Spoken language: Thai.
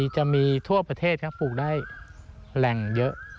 จะมีทั่วประเทศครับปลูกได้แหล่งเยอะ